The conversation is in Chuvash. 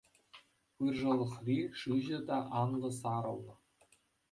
Пыршӑлӑхри шыҫӑ та анлӑ сарӑлнӑ.